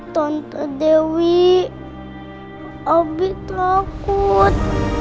tante dewi abi takut